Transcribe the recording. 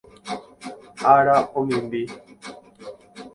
Ára omimbi